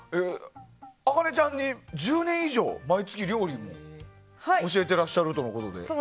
あかねちゃんに１０年以上毎月、料理を教えていらっしゃるとのことで。